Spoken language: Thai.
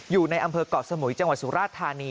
อยู่ในอำเภอกเกาะสมุยจังหวัดสุราชธานี